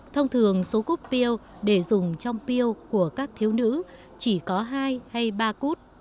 thông thường số cút piêu để dùng trong piêu của các thiếu nữ chỉ có hai hay ba cút